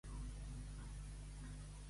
El jove es va apropar a elles a propòsit?